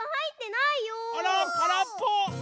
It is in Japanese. あらからっぽ！